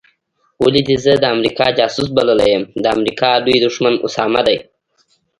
ولي دي زه د امریکا جاسوس بللی یم د امریکا لوی دښمن اسامه دی